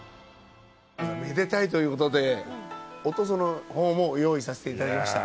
めでたいということでおとそのほうも用意させていただきました。